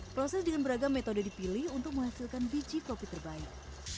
proses dengan beragam metode dipilih untuk menghasilkan biji kopi terbaik